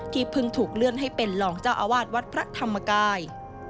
เพิ่งถูกเลื่อนให้เป็นรองเจ้าอาวาสวัดพระธรรมกาย